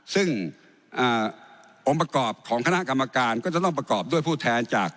ซึ่งองค์ประกอบของคณะกรรมการก็จะต้องประกอบด้วยผู้แทนจาก